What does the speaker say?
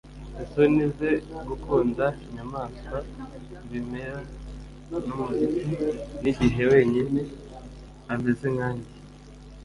Isoni ze gukunda inyamaswa ibimera numuziki nigihe wenyine ameze nkanjye